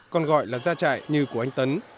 còn gọi là gia trại như của anh tấn